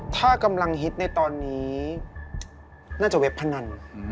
ถ้ากำลังฮิตในตอนนี้น่าจะเว็บพนัน